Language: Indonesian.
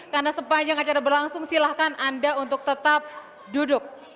karena sepanjang acara berlangsung silakan anda untuk tetap duduk